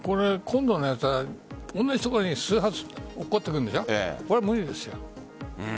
今度のやつは同じところに数発、落っこちてくるんでしょう。